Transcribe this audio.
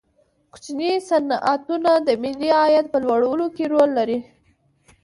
کوچني صنعتونه د ملي عاید په لوړولو کې رول لري.